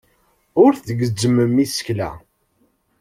Ur tgezzmem isekla.